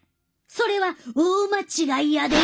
それは大間違いやで！